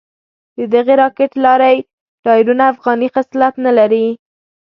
ددغې راکېټ لارۍ ټایرونه افغاني خصلت نه لري.